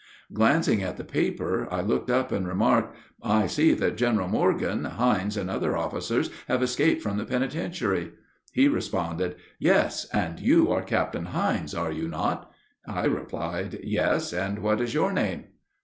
Glancing at the paper, I looked up and remarked, "I see that General Morgan, Hines, and other officers have escaped from the penitentiary." He responded, "Yes; and you are Captain Hines, are you not?" I replied, "Yes; and what is your name?"